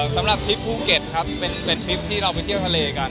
สำหรับทริปภูเก็ตครับเป็นทริปที่เราไปเที่ยวทะเลกัน